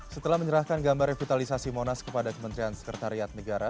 setelah menyerahkan gambar revitalisasi monas kepada kementerian sekretariat negara